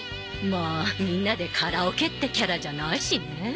まあみんなでカラオケってキャラじゃないしねえ。